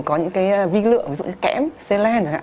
có những cái vi lựa ví dụ như kẽm selen